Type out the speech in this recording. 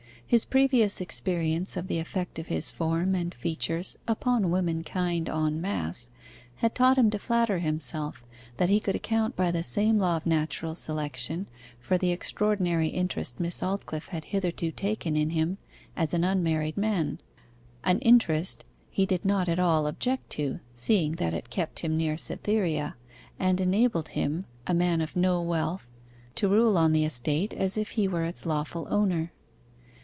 His previous experience of the effect of his form and features upon womankind en masse, had taught him to flatter himself that he could account by the same law of natural selection for the extraordinary interest Miss Aldclyffe had hitherto taken in him, as an unmarried man; an interest he did not at all object to, seeing that it kept him near Cytherea, and enabled him, a man of no wealth, to rule on the estate as if he were its lawful owner.